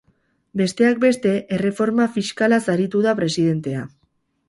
Besteak beste, erreforma fiskalaz aritu da presidentea.